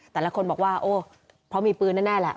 แต่ละคนบอกว่าโอ้เพราะมีปืนแน่แหละ